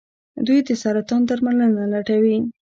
دوی د سرطان درملنه لټوي.